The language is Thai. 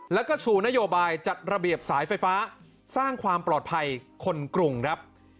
แล้วก็ชูนโยบายจัดระเบียบสายไฟฟ้าสร้างความปลอดภัยคนกรุงครับ